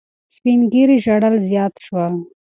سپین ږیري ژړل زیات شول.